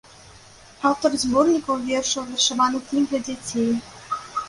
Аўтар зборнікаў вершаў, вершаваных кніг для дзяцей.